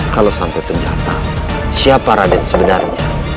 kalau sampai penjahat tahu siapa raden sebenarnya